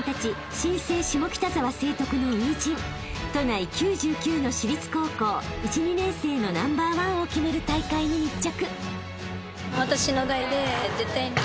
新生下北沢成徳の初陣都内９９の私立高校１・２年生のナンバー１を決める大会に密着］